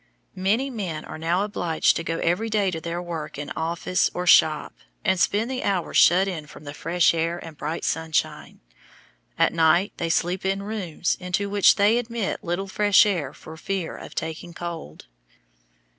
Many men are now obliged to go every day to their work in office or shop, and spend the hours shut in from the fresh air and bright sunshine. At night they sleep in rooms into which they admit little fresh air for fear of taking cold.